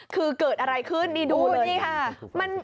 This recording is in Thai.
คือเกิดอะไรขึ้นดูเลยค่ะ